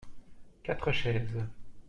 Quatre chaises.